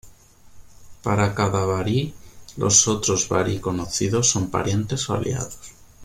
Para cada barí, los otros barí conocidos son parientes o aliados.